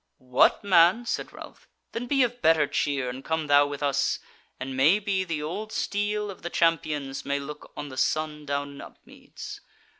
"What, man!" said Ralph, "then be of better cheer, and come thou with us, and may be the old steel of the champions may look on the sun down in Upmeads.